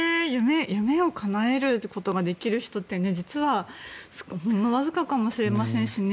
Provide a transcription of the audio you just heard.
夢をかなえるってことができる人って実はほんのわずかかもしれませんしね。